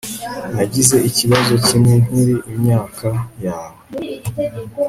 Nagize ikibazo kimwe nkiri imyaka yawe